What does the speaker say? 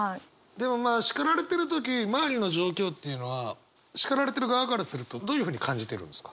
でもまあ叱られてる時周りの状況っていうのは叱られてる側からするとどういうふうに感じてるんですか？